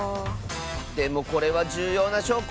でもこれはじゅうようなしょうこ！